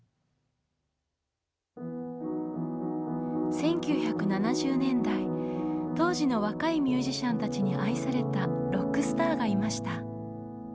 １９７０年代当時の若いミュージシャンたちに愛されたロックスターがいました。